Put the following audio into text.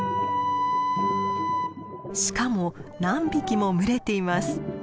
しかも何匹も群れています。